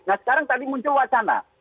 nah sekarang tadi muncul wacana